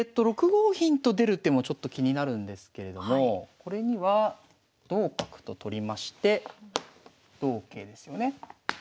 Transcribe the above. ６五銀と出る手もちょっと気になるんですけれどもこれには同角と取りまして同桂ですよね。